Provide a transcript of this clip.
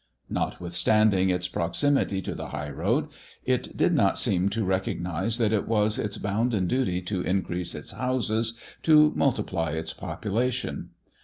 Notwithstanding its proximity to the high road, it did not seem to recognize that it was its bounden duty to increase its houses, to multiply its population.